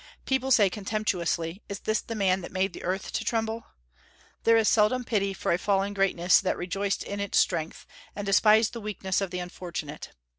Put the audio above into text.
People say contemptuously, "Is this the man that made the earth to tremble?" There is seldom pity for a fallen greatness that rejoiced in its strength, and despised the weakness of the unfortunate.